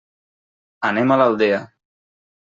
Anem a l'Aldea.